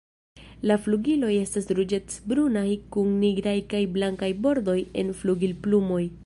La flugiloj estas ruĝecbrunaj kun nigraj kaj blankaj bordoj en flugilplumoj.